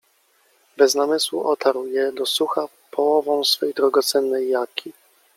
Bez namysłu otarł je do sucha połą swej drogocennej jaki.